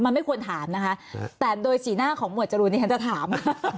มันไม่ควรถามนะคะแต่โดยสีหน้าของหมวดจรูนนี้ฉันจะถาม